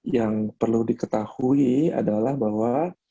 yang perlu diketahui adalah bahwa